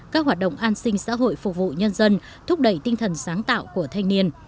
các hoạt động an sinh xã hội phục vụ nhân dân thúc đẩy tinh thần sáng tạo của thanh niên